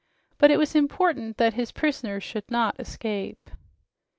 But it was important that his prisoners should not escape.